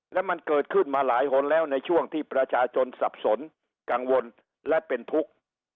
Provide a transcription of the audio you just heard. และมันเกิดขึ้นมาหลายคนแล้วในช่วงที่ประชาชนสับสนกังวลและเป็นทุกข์